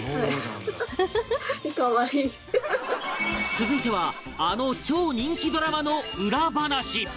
続いてはあの超人気ドラマの裏話